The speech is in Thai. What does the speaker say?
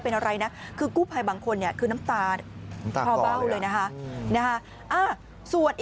ส่วนอีกหนึ่ง